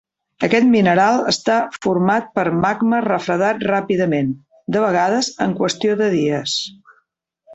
Aquest mineral està format per magma refredat ràpidament, de vegades en qüestió de dies.